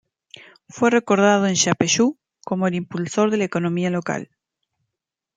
Fue recordado en Yapeyú como el impulsor de la economía local.